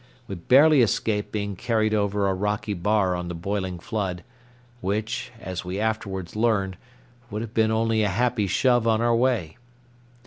We barely escaped being carried over a rocky bar on the boiling flood, which, as we afterwards learned, would have been only a happy shove on our way.